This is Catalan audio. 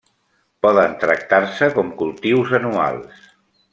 Poden tractar-se com cultius anuals.